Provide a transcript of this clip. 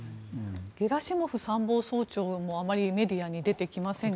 ゲラシモフ参謀総長もあまりメディアに出てきませんが。